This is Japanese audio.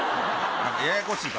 ややこしいから。